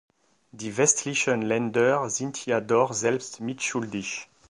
Die westlichen Länder sind ja doch selbst mitschuldig.